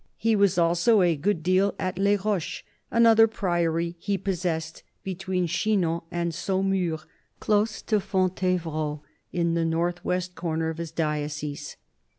He was also a good deal at Les Roches, another priory he possessed between Chinon and Saumur, close to Fontevrault, in the north west corner of his diocese.